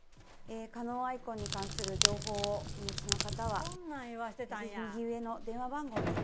加納愛子に関する情報をお持ちの方はぜひ右上の電話番号に。